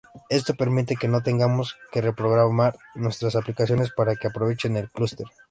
Esto permite que no tengamos que reprogramar nuestras aplicaciones para que aprovechen el cluster.